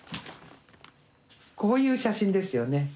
こういう写真ですよね。